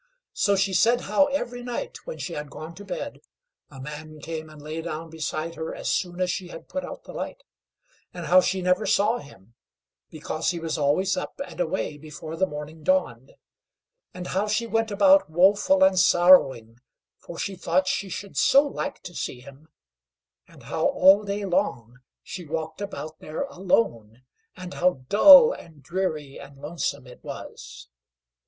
So she said, how every night when she had gone to bed a man came and lay down beside her as soon as she had put out the light; and how she never saw him, because he was always up and away before the morning dawned; and how she went about woeful and sorrowing, for she thought she should so like to see him; and how all day long she walked about there alone; and how dull and dreary and lonesome it was.